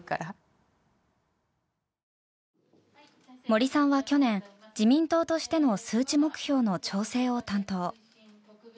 森さんは去年自民党としての数値目標の調整を担当。